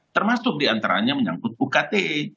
termasuk diantaranya menyangkut ukte